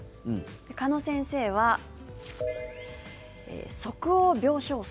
鹿野先生は即応病床数。